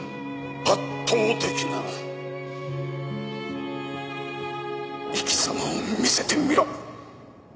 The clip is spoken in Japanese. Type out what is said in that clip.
圧倒的な生き様を見せてみろ！